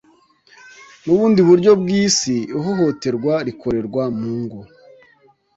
n'ubundi buryo bw'isi Ihohoterwa rikorerwa mu ngo